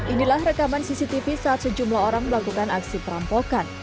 inilah rekaman cctv saat sejumlah orang melakukan aksi perampokan